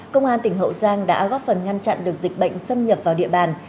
công an tỉnh hậu giang đã góp phần ngăn chặn được dịch bệnh xâm nhập vào địa bàn